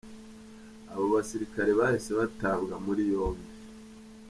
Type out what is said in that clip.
Abo basirikare bahise batabwa muri yombi.